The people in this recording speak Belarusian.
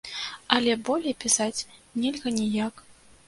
Але болей пісаць нельга ніяк.